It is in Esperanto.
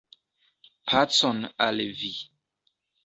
Pacon al vi.